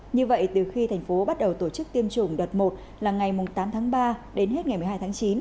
như vậy từ khi thành phố bắt đầu tổ chức tiêm chủng đợt một là ngày tám tháng ba đến hết ngày một mươi hai tháng chín